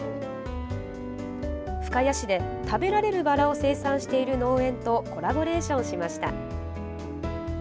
深谷市で、食べられるバラを生産している農園とコラボレーションしました。